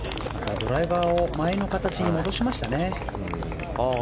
ドライバーを前の形に戻しましたね。